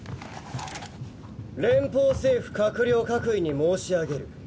連邦政府閣僚各位に申し上げる。